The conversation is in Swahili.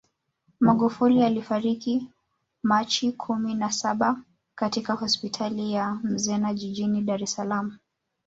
Magufuli alifariki Machi kumi na saba katika hospitali ya Mzena jijini Dar es Salaam